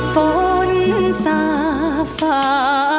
โปรดติดตามต่อไป